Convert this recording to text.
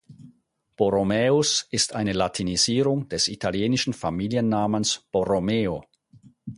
Borromäus ist eine Latinisierung des italienischen Familiennamens Borromeo.